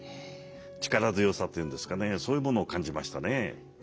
力強さというんですかねそういうものを感じましたね。